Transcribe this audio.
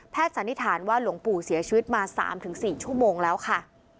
สันนิษฐานว่าหลวงปู่เสียชีวิตมา๓๔ชั่วโมงแล้วค่ะ